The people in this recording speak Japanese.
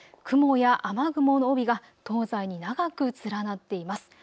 雲や雨雲の帯が東西に長く連なっています。